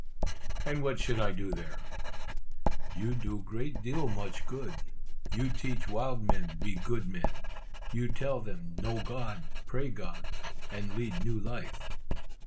"And what should I do there?" "You do great deal much good! you teach wild men be good men; you tell them know God, pray God, and lead new life."